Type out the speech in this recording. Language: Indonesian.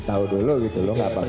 aku akan berubah